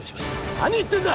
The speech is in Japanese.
何言ってんだ！